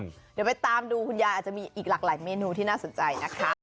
เดี๋ยวไปตามดูคุณยายอาจจะมีอีกหลากหลายเมนูที่น่าสนใจนะคะ